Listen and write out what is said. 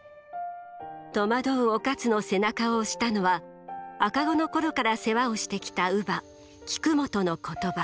戸惑う於一の背中を押したのは赤子の頃から世話をしてきた乳母菊本の言葉。